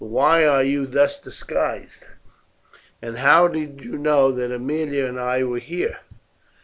"But why are you thus disguised, and how did you know that Aemilia and I were here?"